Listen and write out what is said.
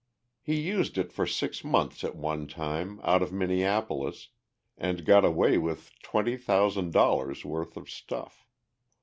He used it for six months at one time, out in Minneapolis, and got away with twenty thousand dollars' worth of stuff.